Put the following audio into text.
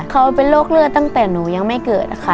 เขาเป็นโรคเลือดตั้งแต่หนูยังไม่เกิดค่ะ